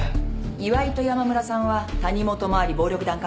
岩井と山村さんは谷本周り暴力団関係を。